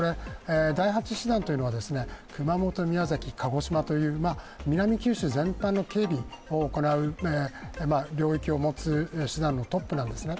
第８師団というのは熊本、宮崎、鹿児島という南九州全般の警備を行う、領域を持つ師団のトップなんですね。